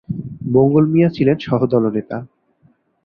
মঙ্গল মিয়া ছিলেন সহদলনেতা।